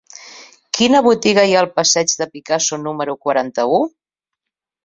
Quina botiga hi ha al passeig de Picasso número quaranta-u?